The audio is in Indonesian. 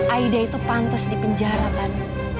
aida itu pantes di penjaratan